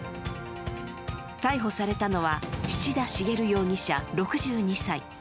逮捕されたのは七田茂容疑者６２歳。